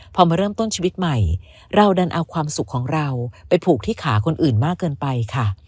พอมาเริ่มต้นชีวิตใหม่เราดันเอาความสุขของเราไปผูกที่ขาคนอื่นมากเกินไปค่ะ